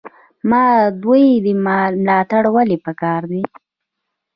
د مادون ملاتړ ولې پکار دی؟